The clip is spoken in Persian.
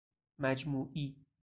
مجموعی